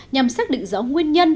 nhằm xác định rõ nguyên nhân